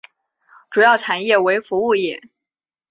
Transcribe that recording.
主要产业为服务业。